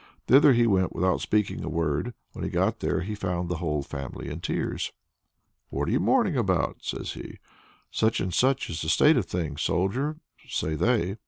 Thither he went without speaking a word. When he got there, he found the whole family in tears. "What are you mourning about?" says he. "Such and such is the state of things, Soldier," say they.